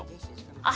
あっ